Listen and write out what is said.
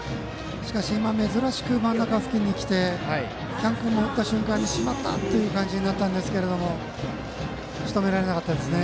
しかし今珍しく真ん中付近に来て喜屋武君も、打った瞬間にしまった！となったんですけどもしとめられませんでしたね。